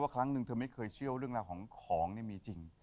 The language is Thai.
ว่าเธอเคยไม่เคยเชื่อว่าเรื่องของนี่มีจริง